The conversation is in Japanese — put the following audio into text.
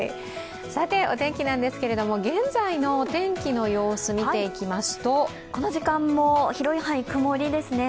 さてお天気なんですけど、現在のお天気の様子見ていきますとこの時間も広い範囲曇りですね。